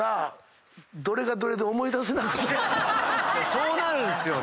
そうなるんすよね。